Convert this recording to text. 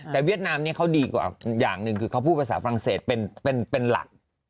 แต่เวียดนามนี้เขาดีกว่าอย่างหนึ่งคือเขาพูดภาษาฝรั่งเศสเป็นหลัก